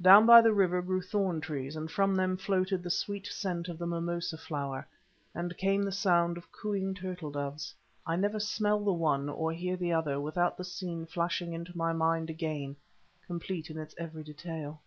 Down by the river grew thorn trees, and from them floated the sweet scent of the mimosa flower, and came the sound of cooing turtle doves. I never smell the one or hear the other without the scene flashing into my mind again, complete in its every detail.